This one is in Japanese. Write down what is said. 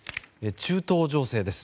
中東情勢です。